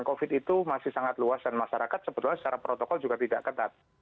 dan covid itu masih sangat luas dan masyarakat sebetulnya secara protokol juga tidak ketat